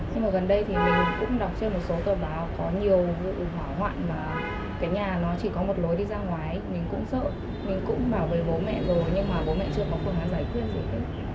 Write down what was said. nhưng mà gần đây thì mình cũng đọc trên một số tờ báo có nhiều vụ hỏa hoạn mà cái nhà nó chỉ có một lối đi ra ngoài mình cũng sợ mình cũng bảo với bố mẹ rồi nhưng mà bố mẹ chưa có phương án giải quyết gì